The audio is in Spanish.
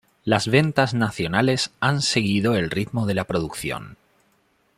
Las ventas nacionales han seguido el ritmo de la producción.